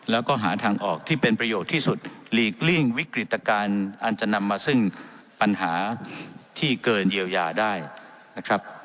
แล้วก็หาทางออกที่เป็นประโยชน์ที่สุดหลีกเลี่ยงวิกฤตการณ์อันจะนำมาซึ่งปัญหาที่เกินเยียวยาได้นะครับ